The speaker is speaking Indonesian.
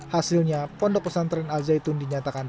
hasilnya pondok pesantren al zaitun dinyatakan